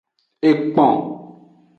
Ekpon.